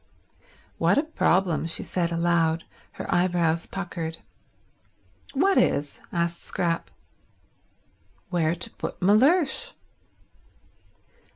"What a problem," she said aloud, her eyebrows puckered. "What is?" asked Scrap. "Where to put Mellersh."